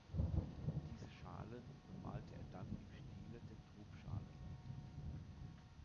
Diese Schalen bemalte er dann im Stile der Droop-Schalen.